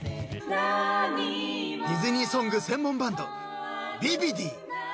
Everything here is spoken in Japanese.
［ディズニーソング専門バンドビビディ］